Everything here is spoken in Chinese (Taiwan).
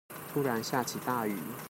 突然下起大雨